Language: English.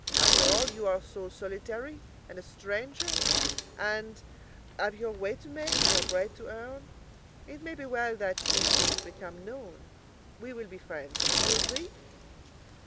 After all, you are solitary and a stranger, and have your way to make and your bread to earn; it may be well that you should become known. We will be friends: do you agree?"